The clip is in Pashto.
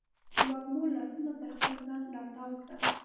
وږمو لاسونه تر خپل ځان راتاو کړل